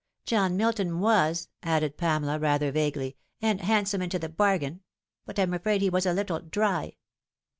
John Milton was" added Pamela rather vaguely, " and handsome into the bargain ; but I'm afraid he was a little dry.